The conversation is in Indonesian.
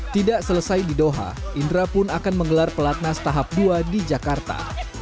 tidak selesai di doha indra pun akan menggelar pelatnas tahap dua di jakarta